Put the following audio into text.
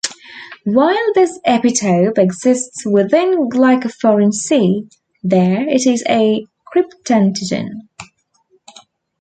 While this epitope exists within glycophorin C there it is a cryptantigen.